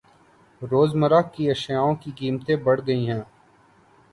روز مرہ کے اشیاوں کی قیمتیں بڑھ گئ ہے۔